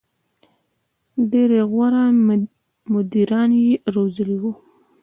• ډېری غوره مدیران یې روزلي وو.